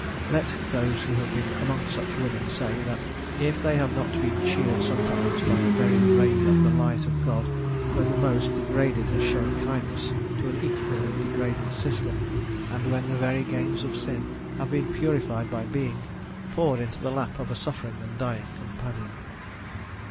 Let those who have been among such women say if they have not been cheered sometimes by a very ray of the light of God, when the most. degraded has shown kindness to an equally degraded sister, and when the very gains of sin have been purified by being; poured into the lap of a suffering and dying companion.